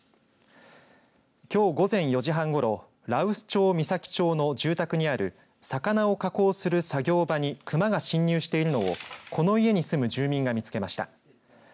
きょう午前４時半ごろ羅臼町岬町の住宅にある魚を加工する作業場にクマが侵入しているのをこの家に住む住民が見つけました。